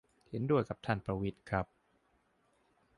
เห็นด้วยกับท่านประวิตรครับ